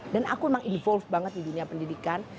dan aku memang bergabung banget di dunia pendidikan